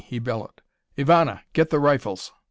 he bellowed. "Ivana! Get the rifles!"